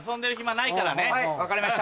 はい分かりました。